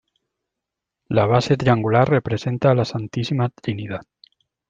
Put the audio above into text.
La base triangular, representa a la santísima trinidad.